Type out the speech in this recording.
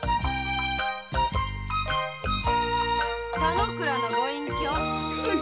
田之倉のご隠居！